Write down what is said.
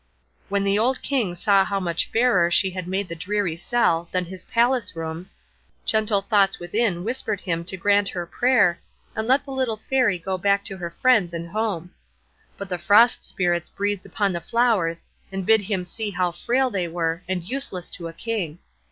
When the old King saw how much fairer she had made the dreary cell than his palace rooms, gentle thoughts within whispered him to grant her prayer, and let the little Fairy go back to her friends and home; but the Frost Spirits breathed upon the flowers and bid him see how frail they were, and useless to a King.